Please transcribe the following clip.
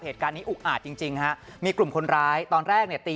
เหตุการนี้อุ่าจริงฮะมีกลุ่มคนร้ายตอนแรกเนี้ยตี